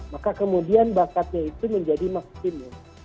maka kemudian bakatnya itu menjadi maksimum